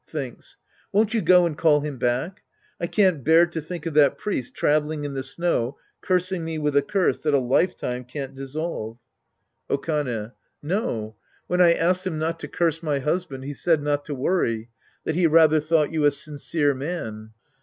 (Thinks.) Won't you go and call him back? I can't bear to think of that priest traveling in the snow cursing me with a curse that a lifetime can't dissolve. 42 The Priest and His Disciples Act I Okane. No. When I asked him not to curse my husband, he said not to worry, that he rather thought you a sincere man.